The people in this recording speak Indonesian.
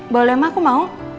boleh ma aku mau